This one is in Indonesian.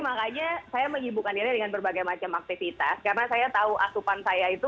makanya saya menghiburkan diri dengan berbagai macam aktivitas karena saya tahu asupan saya itu